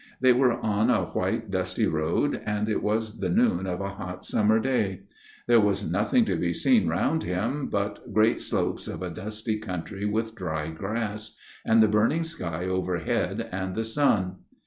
They were on a white dusty road, and it was the noon of a hot summer day. There was nothing to be seen round him, but great slopes of a dusty country with dry grass ; and the burning sky overhead, and the sun.